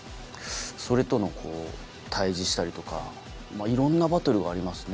それと対峙したりとかいろんなバトルがありますね。